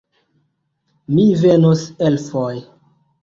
Mi venos elfoj